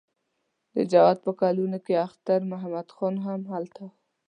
د جهاد په کلونو کې اختر محمد خان هم هلته و.